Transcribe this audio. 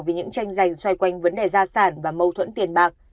vì những tranh giành xoay quanh vấn đề gia sản và mâu thuẫn tiền bạc